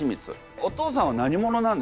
お父さんは何者なんですか？